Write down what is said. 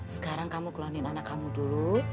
sekarang kamu keluarin anak kamu dulu